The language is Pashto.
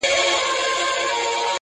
په نازونو په نخرو به ورپسې سو!!